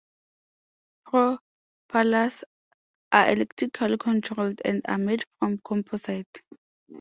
Propellers are electrically controlled and are made from composite.